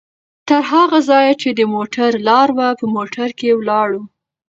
تر هغه ځایه چې د موټر لاره وه، په موټر کې ولاړو؛